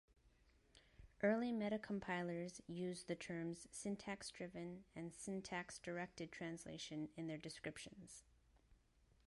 Early metacompilers use the terms syntax-driven and syntax-directed translation in their descriptions.